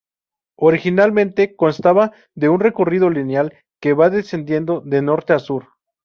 Originalmente constaba de un recorrido lineal, que va descendiendo de norte a sur.